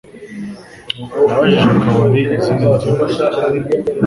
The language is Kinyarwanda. Nabajije akabari izindi nzoga.